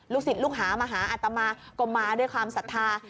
ศิษย์ลูกหามาหาอัตมาก็มาด้วยความศรัทธา